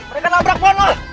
mereka nabrak mohon